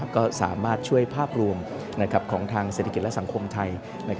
ก็สามารถช่วยภาพรวมของทางเศรษฐกิจและสังคมไทย